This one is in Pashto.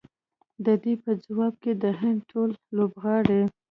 د دې په ځواب کې د هند ټول لوبغاړي